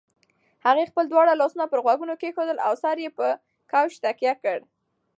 هغې خپل دواړه لاسونه پر غوږونو کېښودل او سر یې پر کوچ تکیه کړ.